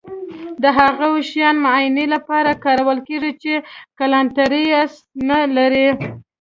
د هغو شیانو معاینې لپاره کارول کیږي چې کانټراسټ نه لري.